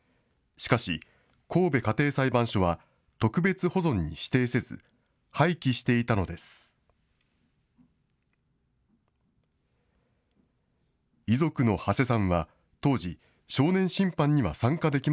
しかし、神戸家庭裁判所は特別保存に指定せず、廃棄していたのです。